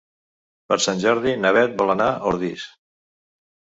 Per Sant Jordi na Bet vol anar a Ordis.